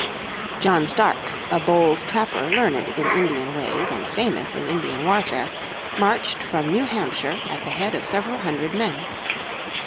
John Stark, a bold trapper learned in Indian ways and famous in Indian warfare, marched from New Hampshire at the head of several hundred men.